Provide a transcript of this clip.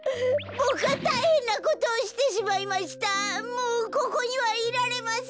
もうここにはいられません。